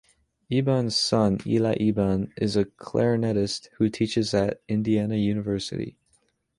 Eban's son, Eli Eban, is a clarinetist who teaches at Indiana University.